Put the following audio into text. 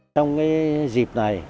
trong cái dịp này